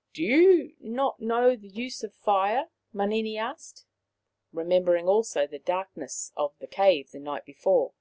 " Do you not know the use of fire ?" Manini asked, remembering also the darkness of the cave the night before.